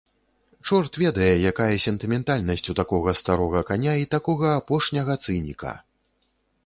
Чорт ведае, якая сентыментальнасць у такога старога каня і такога апошняга цыніка!